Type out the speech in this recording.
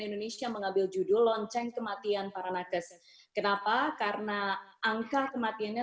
indonesia mengambil judul lonceng kematian para nakes kenapa karena angka kematiannya